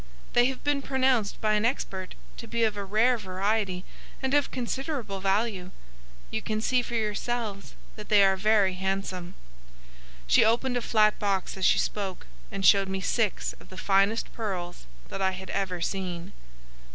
They have been pronounced by an expert to be of a rare variety and of considerable value. You can see for yourselves that they are very handsome." She opened a flat box as she spoke, and showed me six of the finest pearls that I had ever seen.